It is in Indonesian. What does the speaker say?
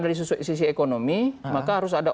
dari sisi ekonomi maka harus ada